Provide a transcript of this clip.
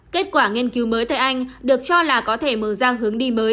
kết quả nghiên cứu mới tại anh được cho là có thể mở ra hướng đi mới